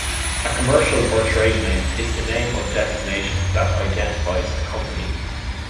A commercial or trade name is the name or designation that identifies a company.